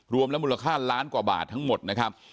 รวมแล้วมูลค่าล้านกว่าบาททั้งหมดนะครับ